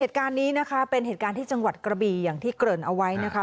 เหตุการณ์นี้นะคะเป็นเหตุการณ์ที่จังหวัดกระบีอย่างที่เกริ่นเอาไว้นะคะ